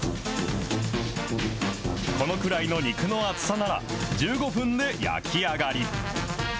このくらいの肉の厚さなら、１５分で焼き上がり。